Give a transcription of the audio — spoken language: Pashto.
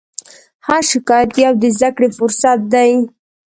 هر شکایت یو د زدهکړې فرصت دی.